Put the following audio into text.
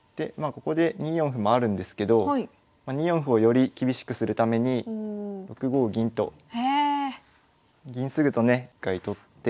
ここで２四歩もあるんですけど２四歩をより厳しくするために６五銀と銀直ぐとね一回取って。